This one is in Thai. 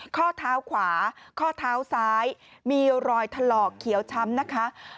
ข้อเท้าขวาข้อเท้าซ้ายมีรอยถลอกเขียวช้ำนะคะ